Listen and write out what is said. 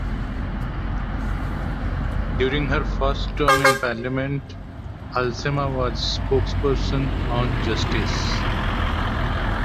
During her first term in parliament, Halsema was spokesperson on justice.